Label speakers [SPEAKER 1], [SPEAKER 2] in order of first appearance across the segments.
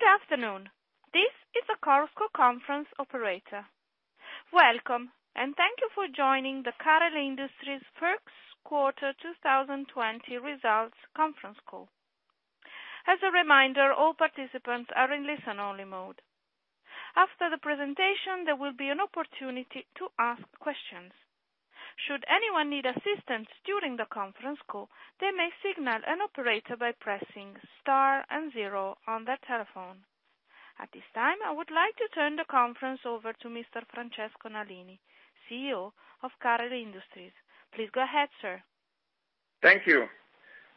[SPEAKER 1] Good afternoon. This is the Chorus Call conference operator. Welcome, and thank you for joining the Carel Industries first quarter 2020 results conference call. As a reminder, all participants are in listen-only mode. After the presentation, there will be an opportunity to ask questions. Should anyone need assistance during the conference call, they may signal an operator by pressing star and zero on their telephone. At this time, I would like to turn the conference over to Mr. Francesco Nalini, CEO of Carel Industries. Please go ahead, sir.
[SPEAKER 2] Thank you.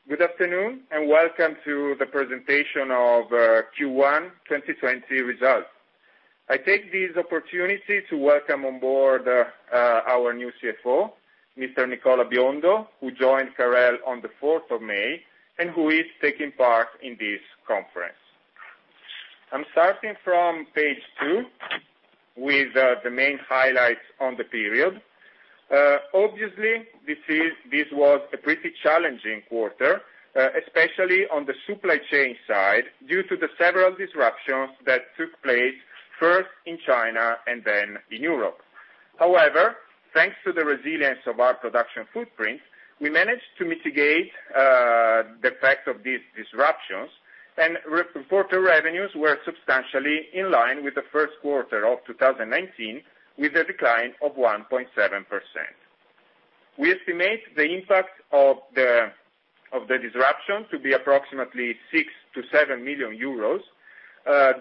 [SPEAKER 2] Good afternoon, welcome to the presentation of Q1 2020 results. I take this opportunity to welcome on board our new CFO, Mr. Nicola Biondo, who joined Carel on the 4th of May, and who is taking part in this conference. I'm starting from page two with the main highlights on the period. Obviously, this was a pretty challenging quarter, especially on the supply chain side, due to the several disruptions that took place first in China and then in Europe. However, thanks to the resilience of our production footprint, we managed to mitigate the effect of these disruptions, and reported revenues were substantially in line with the first quarter of 2019, with a decline of 1.7%. We estimate the impact of the disruption to be approximately 6 million-7 million euros.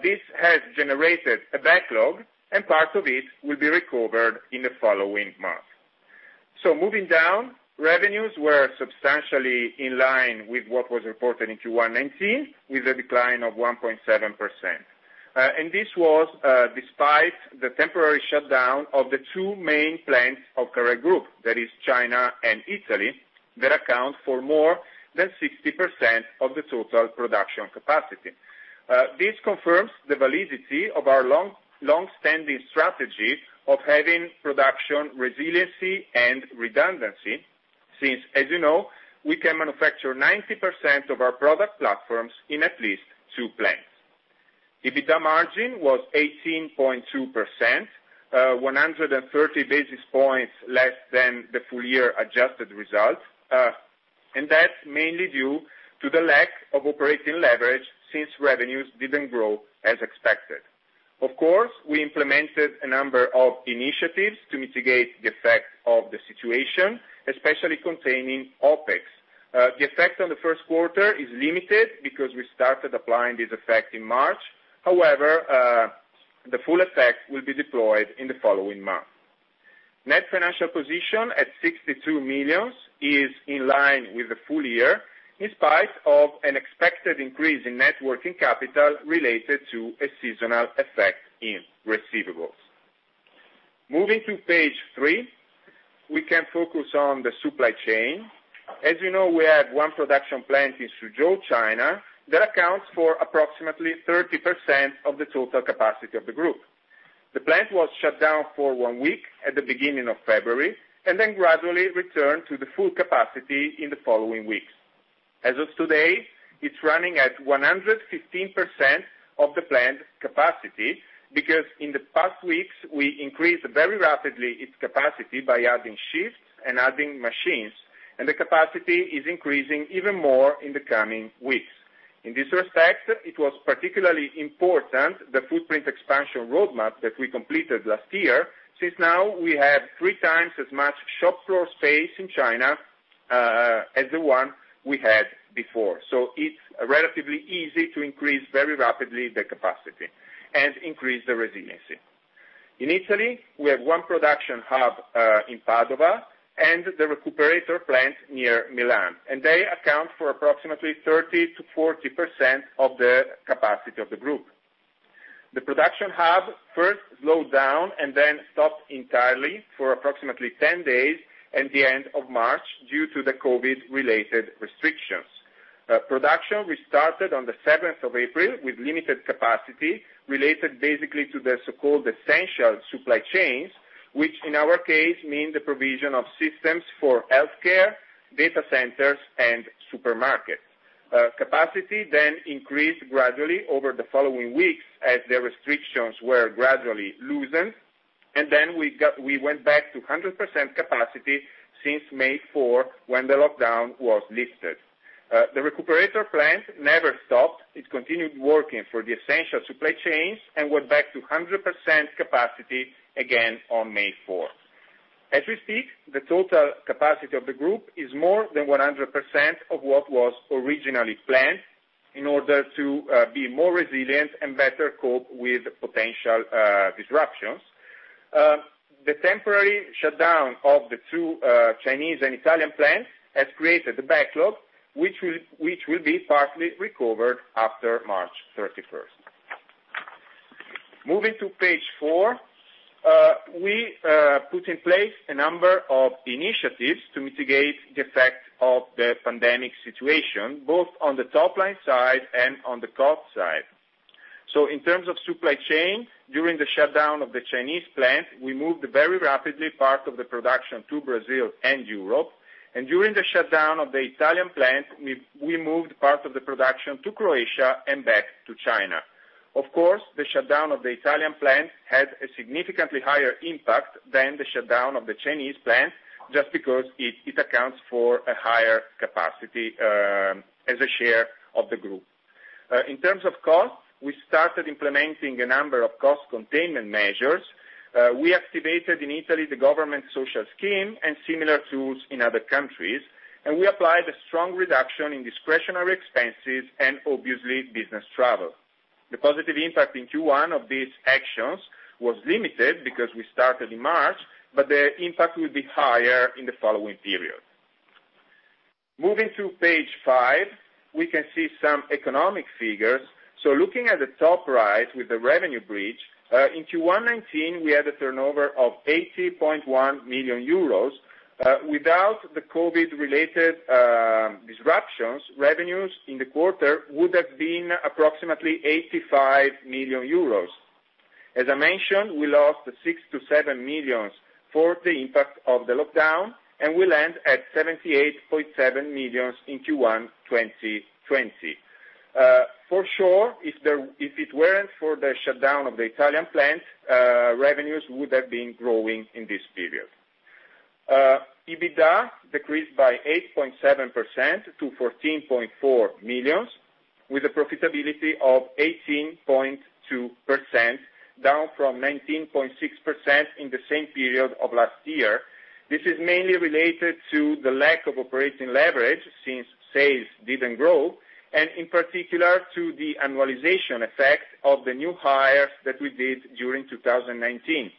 [SPEAKER 2] This has generated a backlog, and part of it will be recovered in the following months. Moving down, revenues were substantially in line with what was reported in Q1 2019, with a decline of 1.7%. This was despite the temporary shutdown of the two main plants of Carel, that is China and Italy, that account for more than 60% of the total production capacity. This confirms the validity of our long-standing strategy of having production resiliency and redundancy, since, as you know, we can manufacture 90% of our product platforms in at least two plants. EBITDA margin was 18.2%, 130 basis points less than the full-year adjusted result. That's mainly due to the lack of operating leverage since revenues didn't grow as expected. Of course, we implemented a number of initiatives to mitigate the effect of the situation, especially containing OpEx. The effect on the first quarter is limited because we started applying this effect in March, however, the full effect will be deployed in the following month. Net financial position at 62 million is in line with the full-year, in spite of an expected increase in net working capital related to a seasonal effect in receivables. Moving to page three, we can focus on the supply chain. As you know, we have one production plant in Suzhou, China, that accounts for approximately 30% of the total capacity of the group. The plant was shut down for one week at the beginning of February, and then gradually returned to the full capacity in the following weeks. As of today, it's running at 115% of the plant capacity because in the past weeks, we increased very rapidly its capacity by adding shifts and adding machines. The capacity is increasing even more in the coming weeks. In this respect, it was particularly important, the footprint expansion roadmap that we completed last year, since now we have three times as much shop floor space in China as the one we had before. It's relatively easy to increase, very rapidly, the capacity and increase the resiliency. In Italy, we have one production hub in Padova and the Recuperator plant near Milan. They account for approximately 30%-40% of the capacity of the group. The production hub first slowed down and then stopped entirely for approximately 10 days at the end of March, due to the COVID related restrictions. Production restarted on the 7th of April with limited capacity related basically to the so-called essential supply chains, which in our case mean the provision of systems for healthcare, data centers, and supermarkets. Capacity then increased gradually over the following weeks as the restrictions were gradually loosened, and then we went back to 100% capacity since May 4, when the lockdown was lifted. The Recuperator plant never stopped. It continued working for the essential supply chains and went back to 100% capacity again on May 4th. As we speak, the total capacity of the group is more than 100% of what was originally planned in order to be more resilient and better cope with potential disruptions. The temporary shutdown of the two Chinese and Italian plants has created a backlog, which will be partly recovered after March 31st. Moving to page four, we put in place a number of initiatives to mitigate the effect of the pandemic situation, both on the top line side and on the cost side. In terms of supply chain, during the shutdown of the Chinese plant, we moved very rapidly part of the production to Brazil and Europe. During the shutdown of the Italian plant, we moved part of the production to Croatia and back to China. Of course, the shutdown of the Italian plant had a significantly higher impact than the shutdown of the Chinese plant, just because it accounts for a higher capacity as a share of the group. In terms of cost, we started implementing a number of cost containment measures. We activated in Italy the government social scheme and similar tools in other countries, and we applied a strong reduction in discretionary expenses and obviously business travel. The positive impact in Q1 of these actions was limited because we started in March, but the impact will be higher in the following period. Moving to page five, we can see some economic figures. Looking at the top right with the revenue bridge, in Q1 2019, we had a turnover of 80.1 million euros. Without the COVID-19-related disruptions, revenues in the quarter would have been approximately 85 million euros. As I mentioned, we lost 6 million-7 million for the impact of the lockdown, and we land at 78.7 million in Q1 2020. For sure, if it weren't for the shutdown of the Italian plant, revenues would have been growing in this period. EBITDA decreased by 8.7% to 14.4 million, with a profitability of 18.2%, down from 19.6% in the same period of last year. This is mainly related to the lack of operating leverage since sales didn't grow. In particular, to the annualization effect of the new hires that we did during 2019.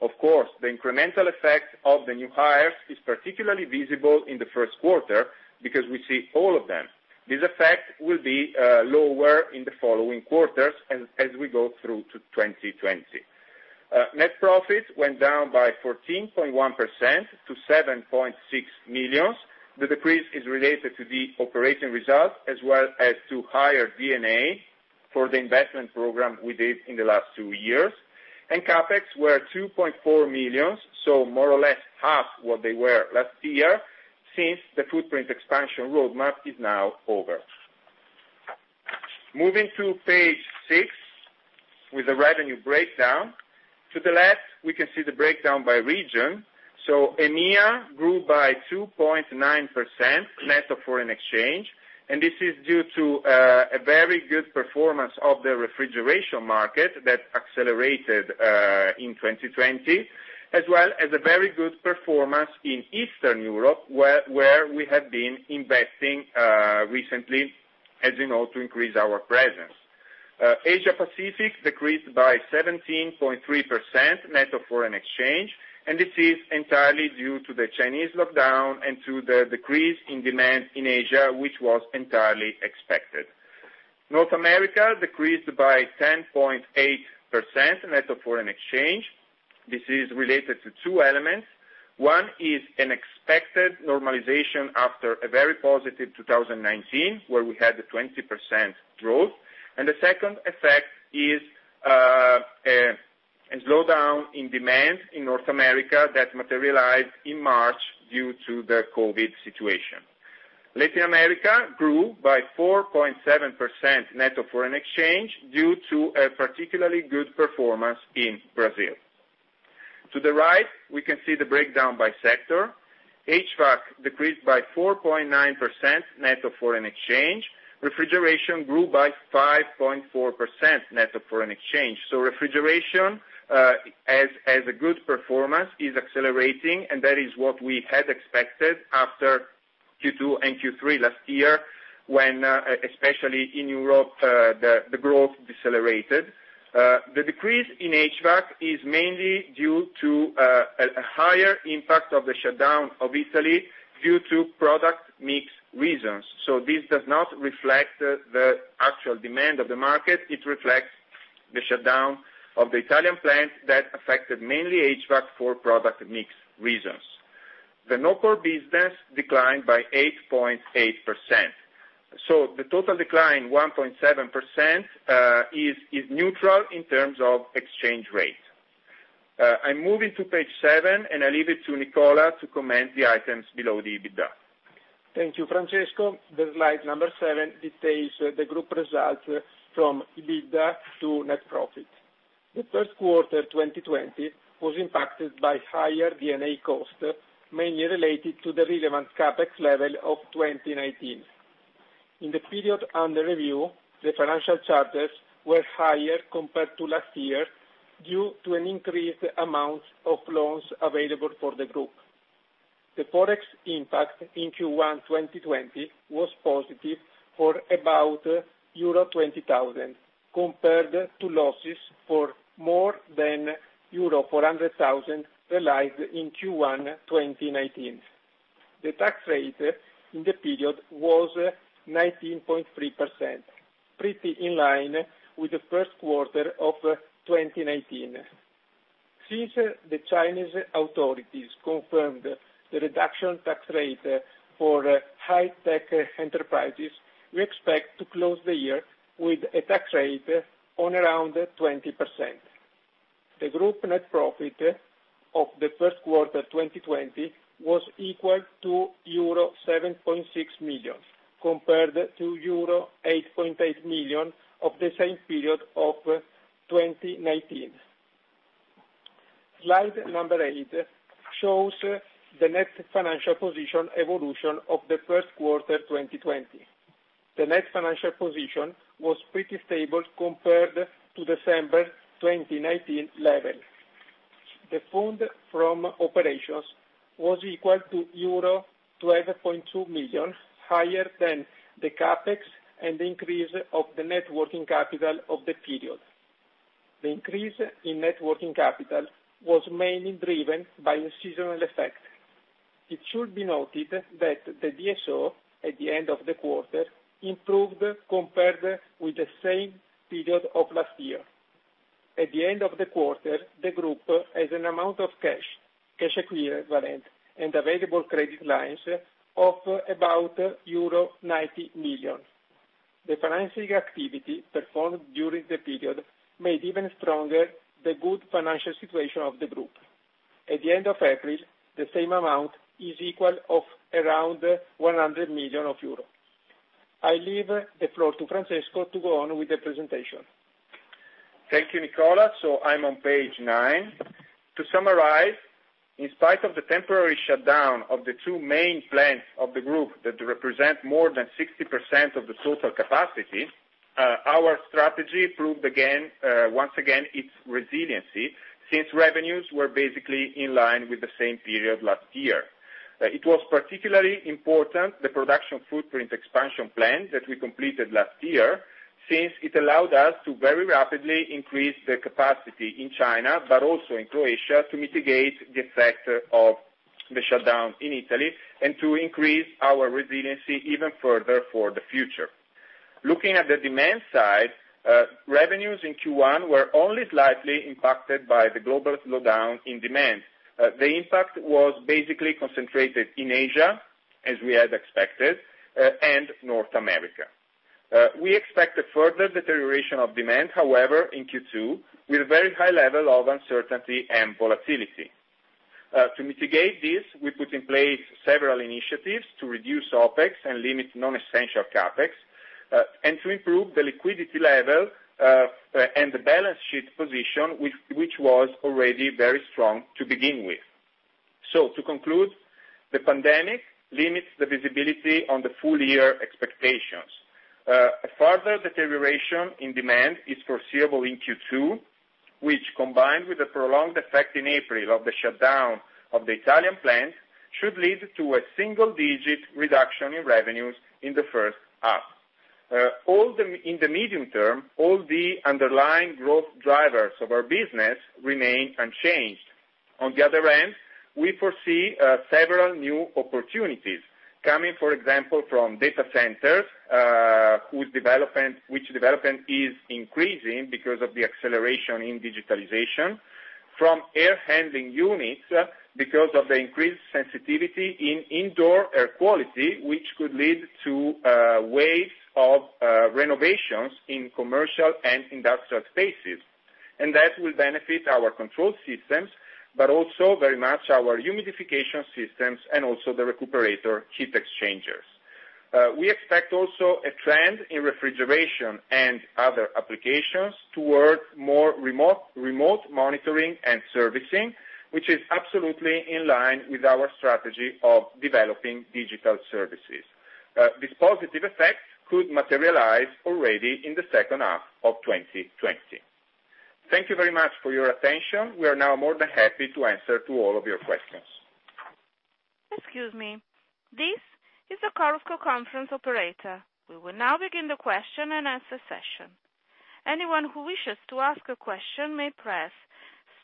[SPEAKER 2] Of course, the incremental effect of the new hires is particularly visible in the first quarter because we see all of them. This effect will be lower in the following quarters as we go through to 2020. Net profits went down by 14.1% to 7.6 million. The decrease is related to the operating results as well as to higher D&A for the investment program we did in the last two years. CapEx were 2.4 million, so more or less half what they were last year since the footprint expansion roadmap is now over. Moving to page six with the revenue breakdown. To the left, we can see the breakdown by region. EMEA grew by 2.9% net of foreign exchange. This is due to a very good performance of the refrigeration market that accelerated in 2020, as well as a very good performance in Eastern Europe, where we have been investing recently, as you know, to increase our presence. Asia-Pacific decreased by 17.3% net of foreign exchange. This is entirely due to the Chinese lockdown and to the decrease in demand in Asia, which was entirely expected. North America decreased by 10.8% net of foreign exchange. This is related to two elements. One is an expected normalization after a very positive 2019, where we had the 20% growth. The second effect is a slowdown in demand in North America that materialized in March due to the COVID situation. Latin America grew by 4.7% net of foreign exchange due to a particularly good performance in Brazil. To the right, we can see the breakdown by sector. HVAC decreased by 4.9% net of foreign exchange. Refrigeration grew by 5.4% net of foreign exchange. Refrigeration, as a good performance, is accelerating, and that is what we had expected after Q2 and Q3 last year when, especially in Europe, the growth decelerated. The decrease in HVAC is mainly due to a higher impact of the shutdown of Italy due to product mix reasons. This does not reflect the actual demand of the market. It reflects the shutdown of the Italian plant that affected mainly HVAC for product mix reasons. The non-core business declined by 8.8%. The total decline, 1.7%, is neutral in terms of exchange rate. I'm moving to page seven, and I leave it to Nicola to comment the items below the EBITDA.
[SPEAKER 3] Thank you, Francesco. The slide number seven details the group results from EBITDA to net profit. The first quarter 2020 was impacted by higher D&A costs, mainly related to the relevant CapEx level of 2019. In the period under review, the financial charges were higher compared to last year due to an increased amount of loans available for the group. The Forex impact in Q1 2020 was positive for about euro 20,000 compared to losses for more than euro 400,000 realized in Q1 2019. The tax rate in the period was 19.3%, pretty in line with the first quarter of 2019. Since the Chinese authorities confirmed the reduction tax rate for high tech enterprises, we expect to close the year with a tax rate on around 20%. The group net profit of the first quarter 2020 was equal to euro 7.6 million, compared to euro 8.8 million of the same period of 2019. Slide number eight shows the net financial position evolution of the first quarter 2020. The net financial position was pretty stable compared to December 2019 level. The funds from operations was equal to euro 12.2 million, higher than the CapEx and the increase of the net working capital of the period. The increase in net working capital was mainly driven by a seasonal effect. It should be noted that the DSO at the end of the quarter improved compared with the same period of last year. At the end of the quarter, the group has an amount of cash equivalent, and available credit lines of about euro 90 million. The financing activity performed during the period made even stronger the good financial situation of the group. At the end of April, the same amount is equal of around 100 million euro. I leave the floor to Francesco to go on with the presentation.
[SPEAKER 2] Thank you, Nicola. I'm on page nine. To summarize, in spite of the temporary shutdown of the two main plants of the group that represent more than 60% of the total capacity, our strategy proved once again its resiliency, since revenues were basically in line with the same period last year. It was particularly important, the production footprint expansion plan that we completed last year, since it allowed us to very rapidly increase the capacity in China, but also in Croatia, to mitigate the effect of the shutdown in Italy, and to increase our resiliency even further for the future. Looking at the demand side, revenues in Q1 were only slightly impacted by the global slowdown in demand. The impact was basically concentrated in Asia, as we had expected, and North America. We expect a further deterioration of demand, however, in Q2, with a very high level of uncertainty and volatility. To mitigate this, we put in place several initiatives to reduce OpEx and limit non-essential CapEx, and to improve the liquidity level, and the balance sheet position, which was already very strong to begin with. To conclude, the pandemic limits the visibility on the full-year expectations. A further deterioration in demand is foreseeable in Q2, which, combined with the prolonged effect in April of the shutdown of the Italian plant, should lead to a single-digit reduction in revenues in the first half. In the medium term, all the underlying growth drivers of our business remain unchanged. On the other end, we foresee several new opportunities coming, for example, from data centers, which development is increasing because of the acceleration in digitalization. From air-handling units, because of the increased sensitivity in indoor air quality, which could lead to waves of renovations in commercial and industrial spaces. That will benefit our control systems, but also very much our humidification systems and also the Recuperator heat exchangers. We expect also a trend in refrigeration and other applications toward more remote monitoring and servicing, which is absolutely in line with our strategy of developing digital services. This positive effect could materialize already in the second half of 2020. Thank you very much for your attention. We are now more than happy to answer to all of your questions.
[SPEAKER 1] Excuse me. This is the Carel conference operator. We will now begin the question and answer session. Anyone who wishes to ask a question may press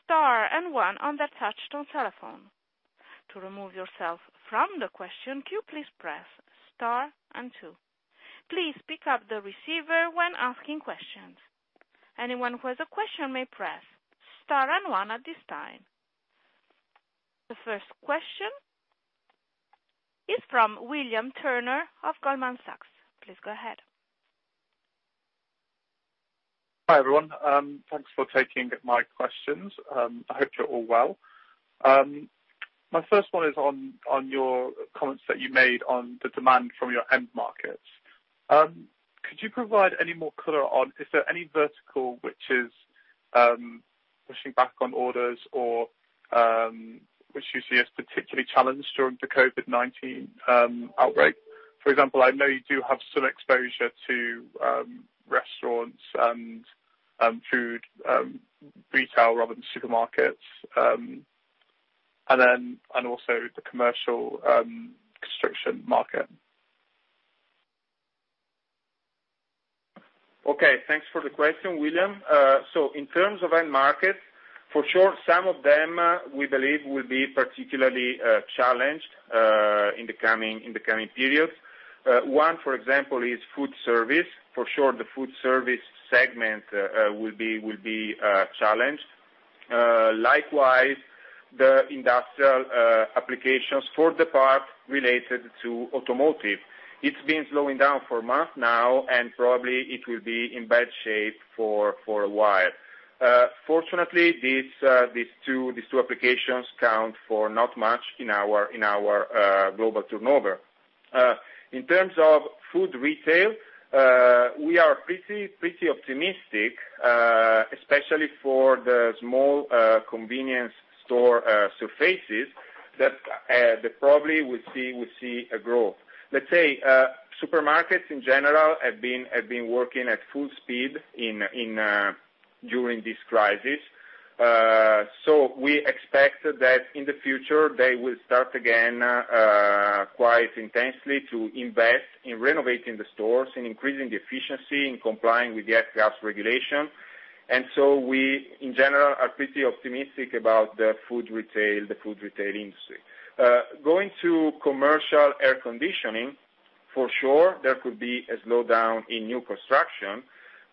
[SPEAKER 1] star and one on their touch-tone telephone. To remove yourself from the question queue, please press star and two. Please pick up the receiver when asking questions. Anyone who has a question may press star and one at this time. The first question is from William Turner of Goldman Sachs. Please go ahead.
[SPEAKER 4] Hi, everyone. Thanks for taking my questions. I hope you're all well. My first one is on your comments that you made on the demand from your end markets. Could you provide any more color on, is there any vertical which is pushing back on orders or which you see as particularly challenged during the COVID-19 outbreak? For example, I know you do have some exposure to restaurants and food retail rather than supermarkets, and also the commercial construction market.
[SPEAKER 2] Okay, thanks for the question, William. In terms of end markets, for sure some of them we believe will be particularly challenged in the coming periods. One, for example, is food service. For sure the food service segment will be challenged. The industrial applications for the part related to automotive. It's been slowing down for a month now, and probably it will be in bad shape for a while. Fortunately, these two applications count for not much in our global turnover. In terms of food retail, we are pretty optimistic, especially for the small convenience store surfaces that probably we see a growth. Let's say, supermarkets, in general, have been working at full speed during this crisis. We expect that in the future, they will start again, quite intensely, to invest in renovating the stores and increasing the efficiency and complying with the F-gas regulation. We, in general, are pretty optimistic about the food retail industry. Going to commercial air conditioning, for sure, there could be a slowdown in new construction.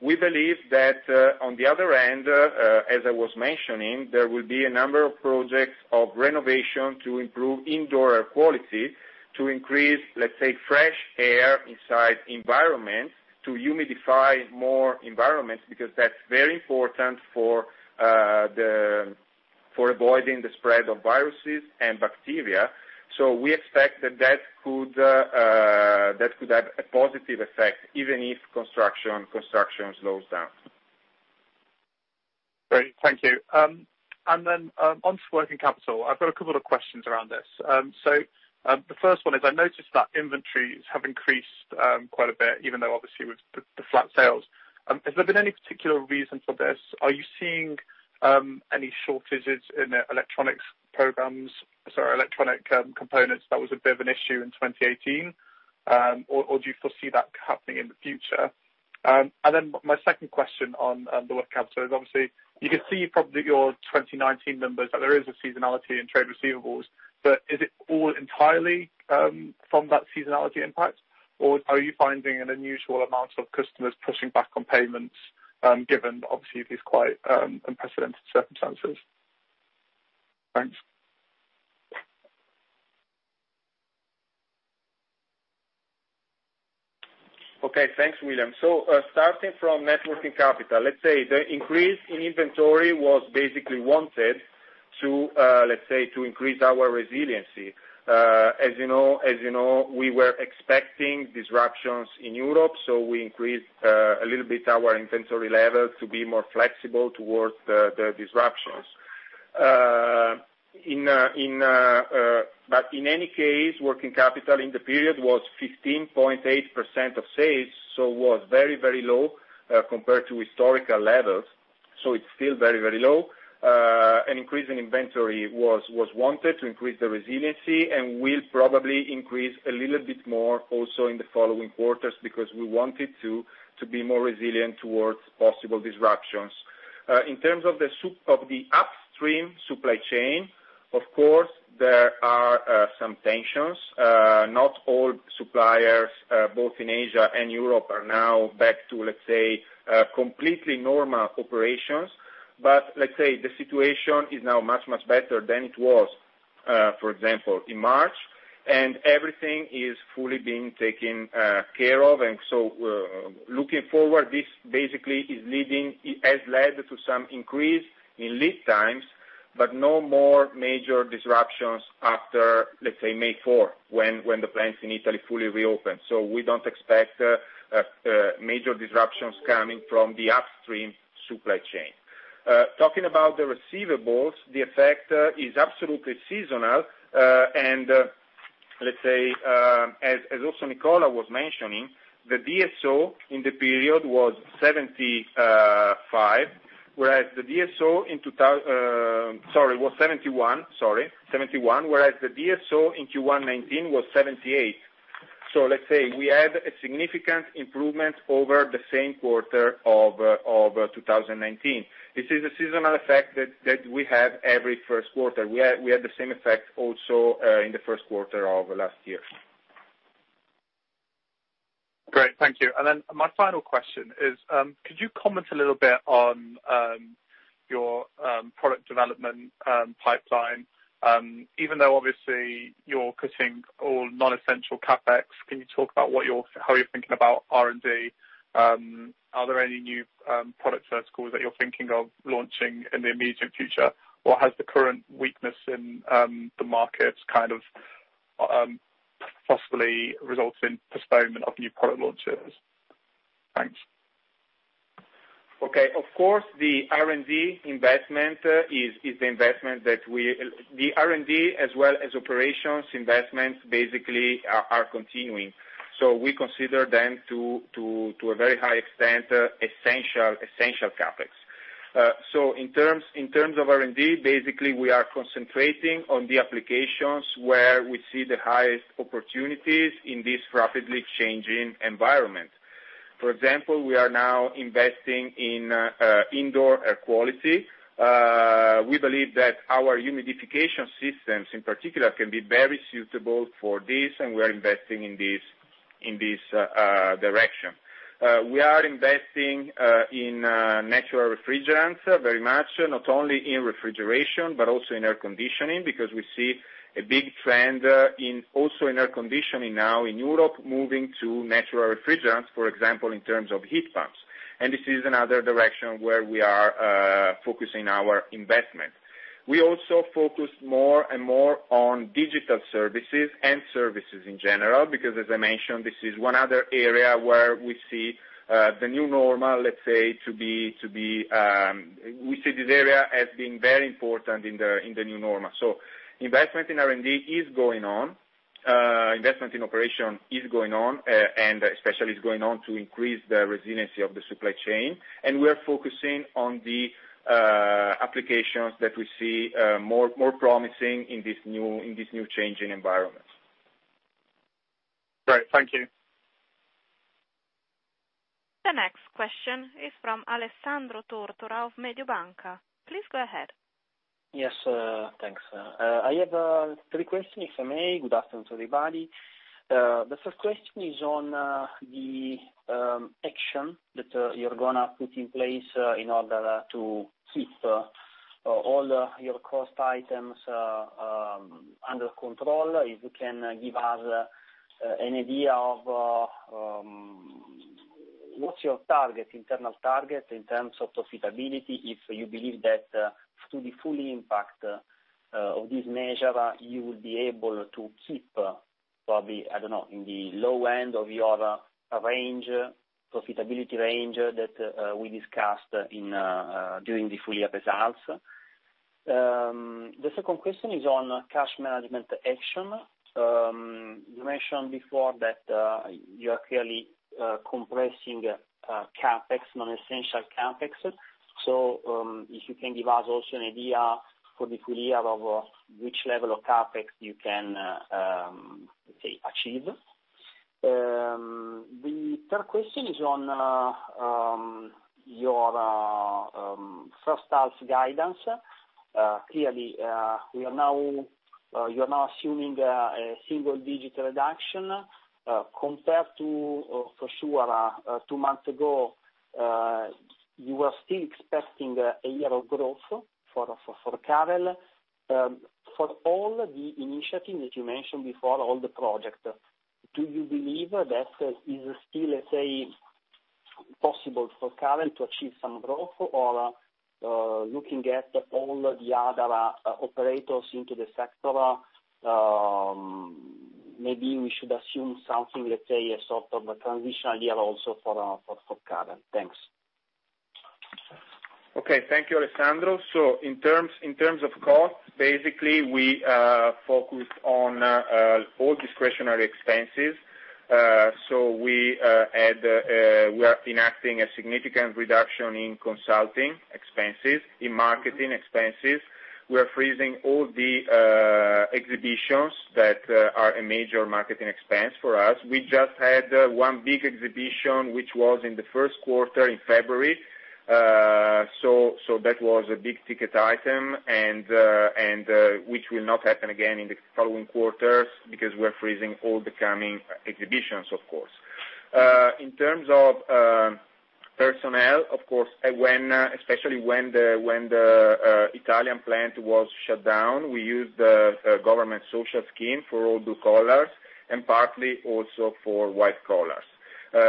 [SPEAKER 2] We believe that, on the other end, as I was mentioning, there will be a number of projects of renovation to improve indoor air quality, to increase, let's say, fresh air inside environments, to humidify more environments, because that's very important for avoiding the spread of viruses and bacteria. We expect that could have a positive effect even if construction slows down.
[SPEAKER 4] Great. Thank you. On working capital, I've got a couple of questions around this. The first one is, I noticed that inventories have increased quite a bit, even though obviously with the flat sales. Has there been any particular reason for this? Are you seeing any shortages in the electronics components that was a bit of an issue in 2018? Do you foresee that happening in the future? My second question on the working capital is, obviously, you can see from your 2019 numbers that there is a seasonality in trade receivables, but is it all entirely from that seasonality impact, or are you finding an unusual amount of customers pushing back on payments, given, obviously, these quite unprecedented circumstances? Thanks.
[SPEAKER 2] Okay. Thanks, William. Starting from net working capital. Let's say, the increase in inventory was basically wanted to increase our resiliency. As you know, we were expecting disruptions in Europe, so we increased a little bit our inventory levels to be more flexible towards the disruptions. In any case, working capital in the period was 15.8% of sales, so it was very, very low, compared to historical levels. It's still very, very low. An increase in inventory was wanted to increase the resiliency, and will probably increase a little bit more also in the following quarters, because we wanted to be more resilient towards possible disruptions. In terms of the upstream supply chain, of course, there are some tensions. Not all suppliers, both in Asia and Europe, are now back to, let's say, completely normal operations. Let's say, the situation is now much, much better than it was, for example, in March, and everything is fully being taken care of. Looking forward, this basically has led to some increase in lead times, but no more major disruptions after, let's say, May 4, when the plants in Italy fully reopened. We don't expect major disruptions coming from the upstream supply chain. Talking about the receivables, the effect is absolutely seasonal, and let's say, as also Nicola was mentioning, the DSO in the period was 75, whereas the DSO was 71, whereas the DSO in Q1 2019 was 78. Let's say, we had a significant improvement over the same quarter of 2019. This is a seasonal effect that we have every first quarter. We had the same effect also, in the first quarter of last year.
[SPEAKER 4] Great. Thank you. My final question is, could you comment a little bit on your product development pipeline? Even though obviously you're cutting all non-essential CapEx, can you talk about how you're thinking about R&D? Are there any new product verticals that you're thinking of launching in the immediate future, or has the current weakness in the markets possibly resulted in postponement of new product launches? Thanks.
[SPEAKER 2] Okay. Of course, the R&D as well as operations investments, basically, are continuing. We consider them to a very high extent, essential CapEx. In terms of R&D, basically, we are concentrating on the applications where we see the highest opportunities in this rapidly changing environment. For example, we are now investing in indoor air quality. We believe that our humidification systems, in particular, can be very suitable for this, and we're investing in this in this direction. We are investing in natural refrigerants very much, not only in refrigeration, but also in air conditioning, because we see a big trend also in air conditioning now in Europe, moving to natural refrigerants, for example, in terms of heat pumps. This is another direction where we are focusing our investment. We also focus more and more on digital services and services in general, because as I mentioned, this is one other area where we see the new normal, we see this area as being very important in the new normal. Investment in R&D is going on, investment in operation is going on, and especially is going on to increase the resiliency of the supply chain. We are focusing on the applications that we see more promising in this new changing environment.
[SPEAKER 4] Great. Thank you.
[SPEAKER 1] The next question is from Alessandro Tortora of Mediobanca. Please go ahead.
[SPEAKER 5] Yes. Thanks. I have three questions, if I may. Good afternoon, everybody. The first question is on the action that you're going to put in place in order to keep all your cost items under control. If you can give us an idea of what's your internal target in terms of profitability, if you believe that to the full impact of this measure, you will be able to keep probably, I don't know, in the low end of your profitability range that we discussed during the full-year results. The second question is on cash management action. You mentioned before that you are clearly compressing non-essential CapEx. If you can give us also an idea for the full-year of which level of CapEx you can, let's say, achieve. The third question is on your first half guidance. Clearly, you're now assuming a single-digit reduction. Compared to, for sure, two months ago, you were still expecting a year of growth for Carel. For all the initiatives that you mentioned before, all the projects, do you believe that is still, let's say, possible for Carel to achieve some growth? Looking at all the other operators into the sector, maybe we should assume something, let's say, a sort of a transitional year also for Carel. Thanks.
[SPEAKER 2] Okay. Thank you, Alessandro. In terms of cost, basically, we focused on all discretionary expenses. We are enacting a significant reduction in consulting expenses, in marketing expenses. We are freezing all the exhibitions that are a major marketing expense for us. We just had one big exhibition, which was in the first quarter in February. That was a big-ticket item, and which will not happen again in the following quarters because we're freezing all the coming exhibitions, of course. In terms of personnel, of course, especially when the Italian plant was shut down, we used the government social scheme for all blue collars and partly also for white collars.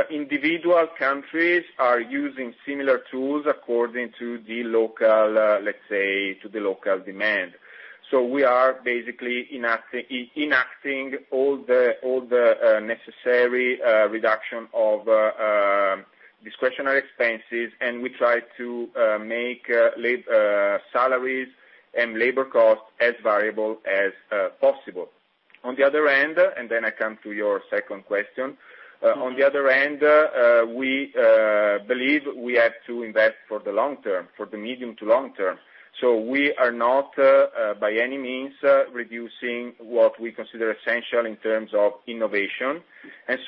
[SPEAKER 2] Individual countries are using similar tools according to the local demand. We are basically enacting all the necessary reduction of discretionary expenses, and we try to make salaries and labor costs as variable as possible. On the other hand, I come to your second question. On the other hand, we believe we have to invest for the medium to long term. We are not, by any means, reducing what we consider essential in terms of innovation.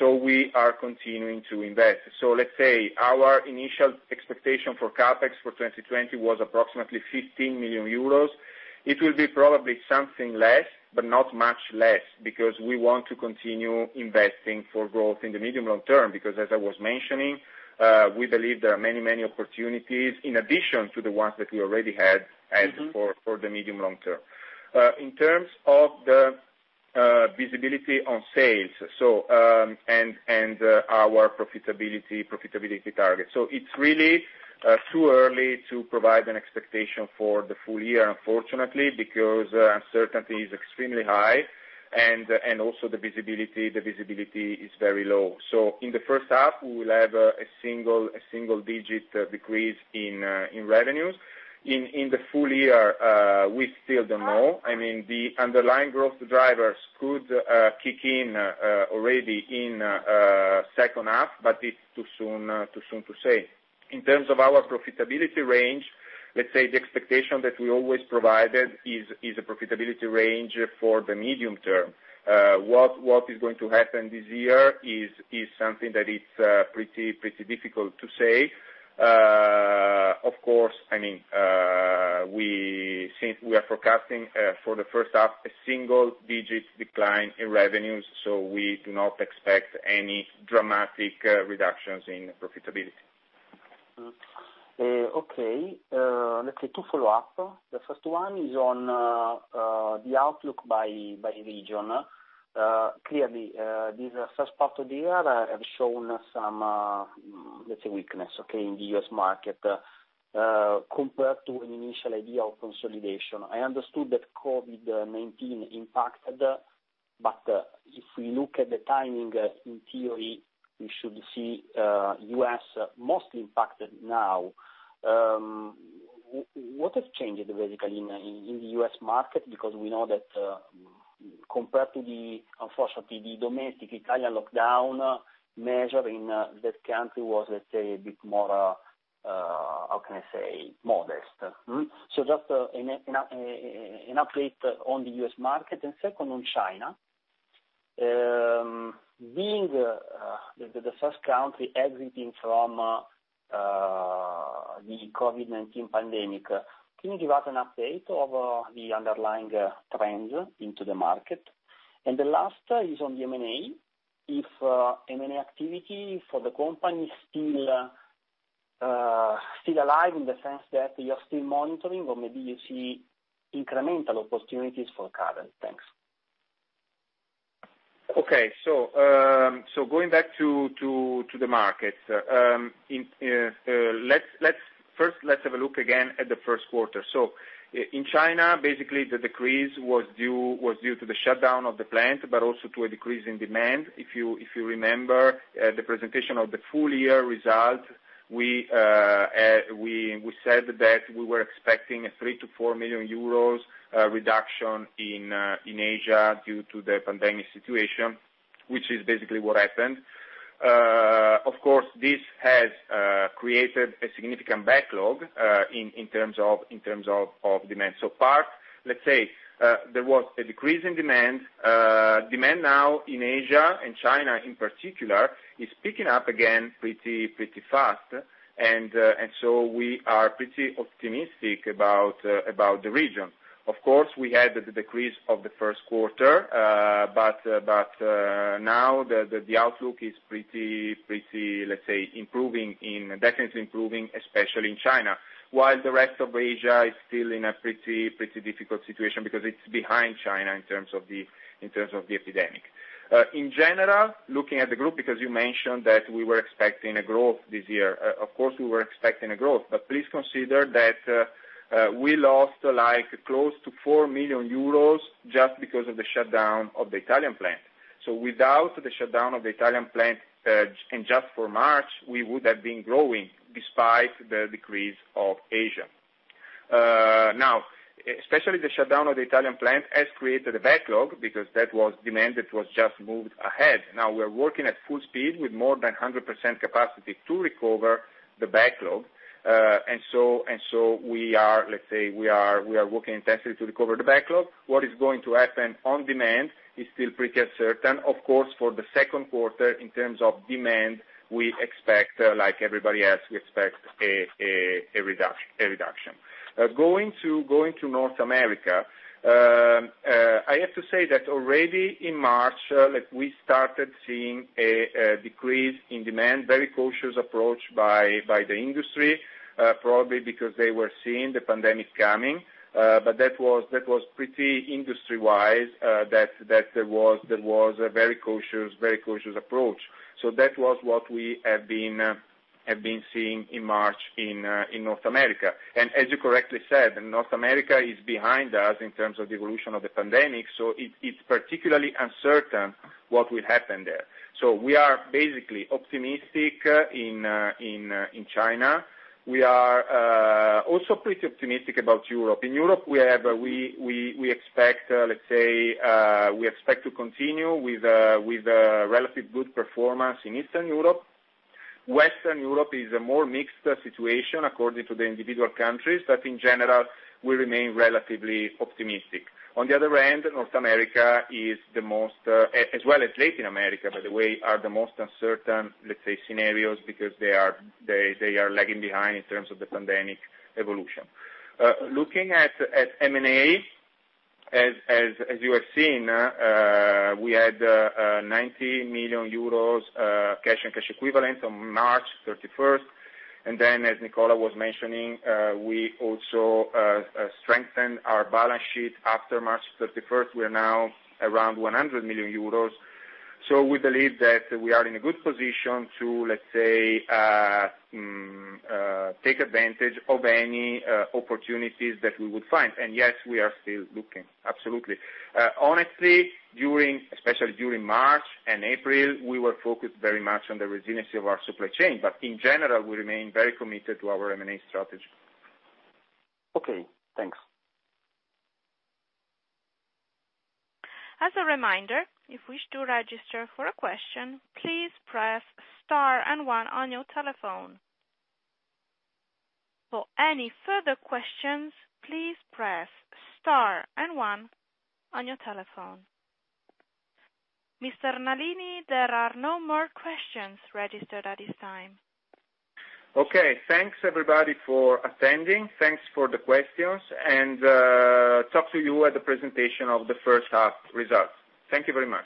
[SPEAKER 2] We are continuing to invest. Let's say, our initial expectation for CapEx for 2020 was approximately 15 million euros. It will be probably something less, but not much less, because we want to continue investing for growth in the medium long term, because as I was mentioning, we believe there are many opportunities in addition to the ones that we already had. As for the medium long term. In terms of the visibility on sales and our profitability target. It's really too early to provide an expectation for the full-year, unfortunately, because uncertainty is extremely high and also the visibility is very low. In the first half, we will have a single-digit decrease in revenues. In the full-year, we still don't know. I mean, the underlying growth drivers could kick in already in second half, but it's too soon to say. In terms of our profitability range, let's say the expectation that we always provided is a profitability range for the medium term. What is going to happen this year is something that it's pretty difficult to say. Of course, we are forecasting for the first half a single-digit decline in revenues, so we do not expect any dramatic reductions in profitability.
[SPEAKER 5] Okay. Let's say two follow-ups. The first one is on the outlook by region. Clearly, this first part of the year has shown some, let's say weakness, okay, in the U.S. market, compared to an initial idea of consolidation. I understood that COVID-19 impacted. If we look at the timing, in theory, we should see U.S. most impacted now. What has changed, basically, in the U.S. market? We know that compared to the, unfortunately, the domestic Italian lockdown measure in that country was, let's say, a bit more modest. Just an update on the U.S. market. Second on China. Being the first country exiting from the COVID-19 pandemic, can you give us an update of the underlying trends into the market? The last is on the M&A. If M&A activity for the company is still alive in the sense that you are still monitoring, or maybe you see incremental opportunities for Carel. Thanks.
[SPEAKER 2] Okay. Going back to the market. First, let's have a look again at the first quarter. In China, basically, the decrease was due to the shutdown of the plant, but also to a decrease in demand. If you remember, the presentation of the full-year results, we said that we were expecting a 3 million-4 million euros reduction in Asia due to the pandemic situation, which is basically what happened. Of course, this has created a significant backlog in terms of demand. Part, let's say, there was a decrease in demand. Demand now in Asia and China in particular, is picking up again pretty fast. We are pretty optimistic about the region. Of course, we had the decrease of the first quarter, but now the outlook is pretty, let's say, definitely improving, especially in China. While the rest of Asia is still in a pretty difficult situation because it's behind China in terms of the epidemic. In general, looking at the group, because you mentioned that we were expecting a growth this year. Of course, we were expecting a growth, but please consider that we lost close to 4 million euros just because of the shutdown of the Italian plant. Without the shutdown of the Italian plant, and just for March, we would have been growing despite the decrease of Asia. Now, especially the shutdown of the Italian plant has created a backlog because that was demand that was just moved ahead. Now we are working at full speed with more than 100% capacity to recover the backlog. Let's say, we are working intensely to recover the backlog. What is going to happen on demand is still pretty uncertain. Of course, for the second quarter, in terms of demand, we expect, like everybody else, we expect a reduction. Going to North America. I have to say that already in March, we started seeing a decrease in demand. Very cautious approach by the industry, probably because they were seeing the pandemic coming. That was pretty industry-wise, that there was a very cautious approach. That was what we have been seeing in March in North America. As you correctly said, North America is behind us in terms of the evolution of the pandemic, so it's particularly uncertain what will happen there. We are basically optimistic in China. We are also pretty optimistic about Europe. In Europe, we expect to continue with a relatively good performance in Eastern Europe. Western Europe is a more mixed situation according to the individual countries, but in general, we remain relatively optimistic. On the other end, North America, as well as Latin America, by the way, are the most uncertain scenarios because they are lagging behind in terms of the pandemic evolution. Looking at M&A, as you have seen, we had 90 million euros cash and cash equivalents on March 31st. As Nicola was mentioning, we also strengthened our balance sheet after March 31st. We are now around 100 million euros. We believe that we are in a good position to, let's say, take advantage of any opportunities that we would find. Yes, we are still looking. Absolutely. Honestly, especially during March and April, we were focused very much on the resiliency of our supply chain. In general, we remain very committed to our M&A strategy.
[SPEAKER 5] Okay, thanks.
[SPEAKER 1] As a reminder, if you wish to register for a question, please press star and one on your telephone. For any further questions, please press star and one on your telephone. Mr. Nalini, there are no more questions registered at this time.
[SPEAKER 2] Okay. Thanks, everybody, for attending. Thanks for the questions, and talk to you at the presentation of the first half results. Thank you very much.